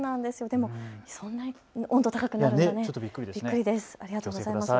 そんなに温度が高くなるとはびっくりです。